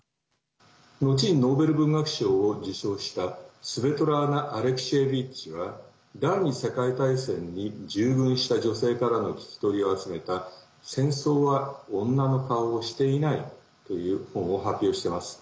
後にノーベル文学賞を受賞したスベトラーナ・アレクシェービッチは第２次世界大戦に従軍した女性からの聞き取りを集めた「戦争は女の顔をしていない」という本を発表しています。